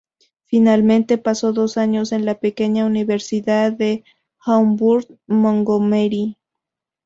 Finalmente pasó dos años en la pequeña Universidad de Auburn-Montgomery.